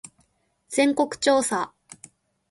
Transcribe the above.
全国調査